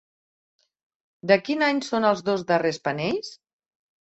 De quin any són els dos darrers panells?